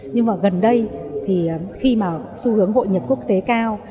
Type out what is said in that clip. nhưng mà gần đây thì khi mà xu hướng hội nhập quốc tế cao